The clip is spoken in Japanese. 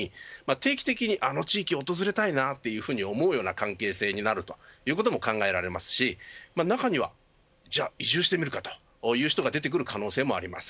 定期的に、あの地域を訪れたいなというふうに思うような関係性になるということも考えられますし中には、移住してみるかという人が出てくる可能性もあります。